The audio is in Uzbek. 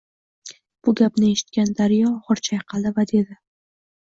Bu gapni eshitgan daryo ogʻir chayqaldi va dedi